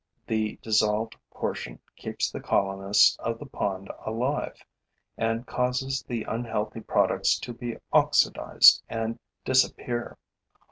The dissolved portion keeps the colonists of the pond alive and causes the unhealthy products to be oxidized and disappear.